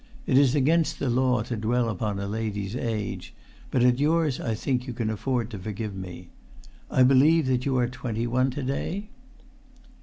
It is against the law to dwell upon a lady's age, but at yours I think you can afford[Pg 303] to forgive me. I believe that you are twenty one to day?"